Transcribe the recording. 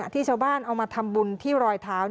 ที่ชาวบ้านเอามาทำบุญที่รอยเท้า